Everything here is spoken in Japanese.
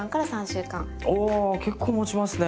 おお結構もちますね！